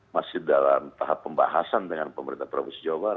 masih dalam tahap pembahasan dengan pemerintah provinsi jawa barat